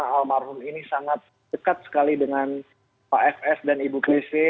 almarhum ini sangat dekat sekali dengan pak fs dan ibu klise